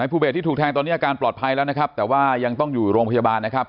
ภูเบสที่ถูกแทงตอนนี้อาการปลอดภัยแล้วนะครับแต่ว่ายังต้องอยู่โรงพยาบาลนะครับ